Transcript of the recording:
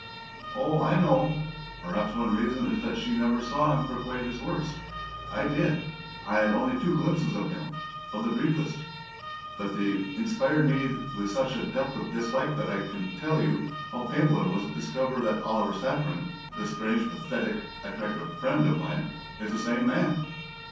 "Oh, I know. Perhaps one reason is that she never saw him at quite his worst. I did. I had only two glimpses of him of the briefest but they inspired me with such a depth of dislike that I can't tell you how painful it was to discover that 'Oliver Saffren' this strange, pathetic, attractive FRIEND of mine is the same man."